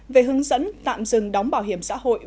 về hướng dẫn tạm dừng đóng bảo hiểm